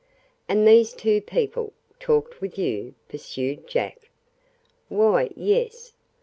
"And these two people talked with you?" pursued Jack. "Why, yes.